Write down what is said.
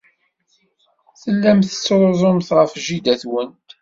Tellamt trezzumt ɣef jida-twent.